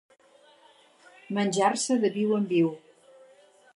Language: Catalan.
Menjar-se de viu en viu.